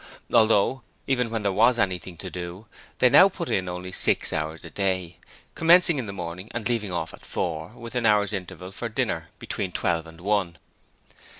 although even when there was anything to do they now put in only six hours a day, commencing in the morning and leaving off at four, with an hour's interval for dinner between twelve and one.